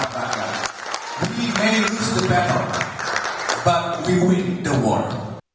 kita bisa kalahkan perang tapi kita menang perang